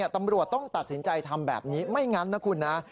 ตำรวจต้องตัดสินใจทำแบบนี้ไม่งั้นนะคุณนะ